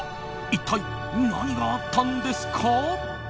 一体、何があったんですか？